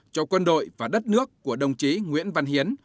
cho quân đội và đất nước của đồng chí nguyễn văn hiến